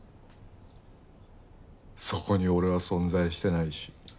そこに俺は存在してないし。